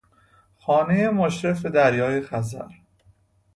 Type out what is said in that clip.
خانهای مشرف به دریای خزر